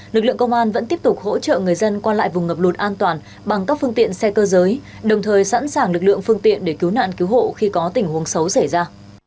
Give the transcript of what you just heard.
lực lượng công an vẫn tiếp tục hỗ trợ người dân qua lại vùng ngập lụt an toàn bằng các phương tiện xe cơ giới đồng thời sẵn sàng lực lượng phương tiện để cứu nạn cứu hộ khi có tình huống xấu xảy ra